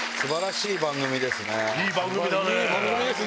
いい番組だね。